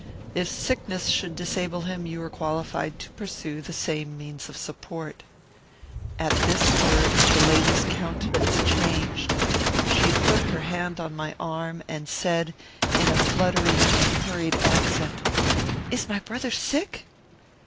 If sickness should disable him, you are qualified to pursue the same means of support." At these words the lady's countenance changed. She put her hand on my arm, and said, in a fluttering and hurried accent, "Is my brother sick?"